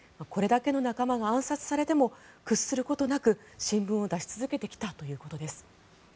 これだけの仲間が暗殺されても屈することなく新聞を出し続けてきたということです。